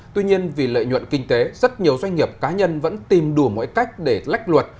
tuy nhiên vì lợi nhuận kinh tế rất nhiều doanh nghiệp cá nhân vẫn tìm đủ mỗi cách để lách luật